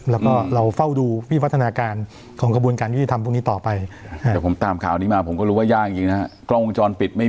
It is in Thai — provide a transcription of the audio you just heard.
และก็เราเฝ้าดูพิวัฒนาการของกระบุญการคุณธีธรรมที่ทำตรงนี้ต่อไป